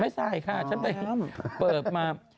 ใส่ค่ะฉันไปเปิดมา